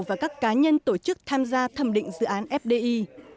và các cá nhân tổ chức tham gia thẩm định dự án fdi